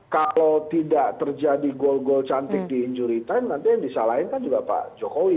kalau tidak terjadi gol gol cantik di injury time nanti yang disalahin kan juga pak jokowi